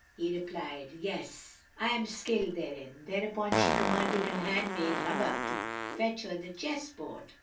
He replied, "Yes; I am skilled therein;" whereupon she commanded her handmaid Hubub fetch her the chessboard.